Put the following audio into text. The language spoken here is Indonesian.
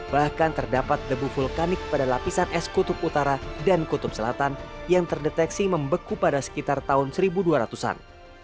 bahkan terdapat debu vulkanik pada lapisan es kutub utara dan kutub selatan yang terdeteksi membeku pada sekitar tahun seribu dua ratus an